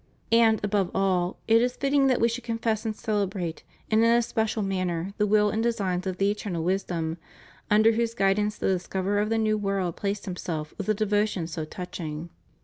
And, above all, it is fitting that we should confess and celebrate in an especial manner the will and designs of the Eternal Wisdom, under whose guidance the discoverer of the New World placed himself with a devotion so touching.